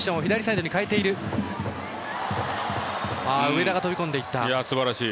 上田が飛び込んでいった。